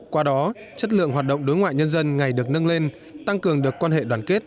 qua đó chất lượng hoạt động đối ngoại nhân dân ngày được nâng lên tăng cường được quan hệ đoàn kết